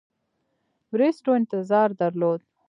بریسټو انتظار درلود.